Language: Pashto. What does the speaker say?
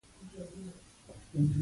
موږ یو ښه ټیم یو.